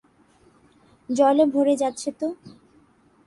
জলে ভরে যাচ্ছে তো।